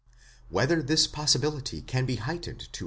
Whether this possibility can be heightened to.